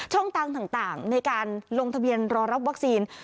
ช่องตังค์ต่างในการลงทะเบียนรอรับวัคซีน